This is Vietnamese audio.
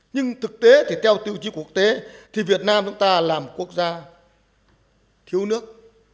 nhưng thực tế thì theo tiêu chí quốc tế thì việt nam chúng ta là một quốc gia thiếu nước